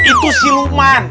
itu si lukman